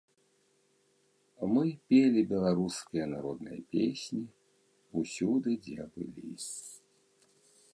Мы пелі беларускія народныя песні ўсюды, дзе былі.